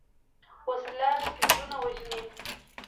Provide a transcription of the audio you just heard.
وسله فکرونه وژني